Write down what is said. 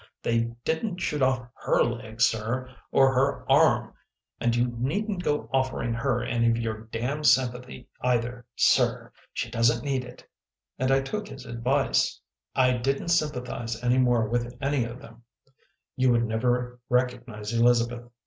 They didn t shoot off her leg, Sir, or her arm! And you needn t go offering her any of your damned sympathy either, Sir ! She doesn t need it !" And I took his advice. WALKING THE RAINBOW 121 I didn t sympathize any more with any of them. You would never recognize Elizabeth.